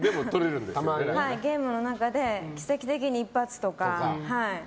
ゲームの中で奇跡的に一発とか。